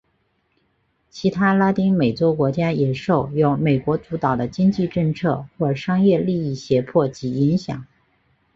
其他拉丁美洲国家也受由美国主导的经济政策或商业利益胁迫及影响。